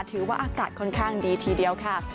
ถือว่าอากาศค่อนข้างดีทีเดียวค่ะ